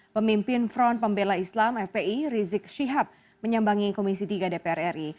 pemimpin front pembela islam fpi rizik syihab menyambangi komisi tiga dpr ri